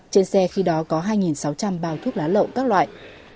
trên xe khi đó có hai sáu trăm linh bao thuốc lá lậu các loại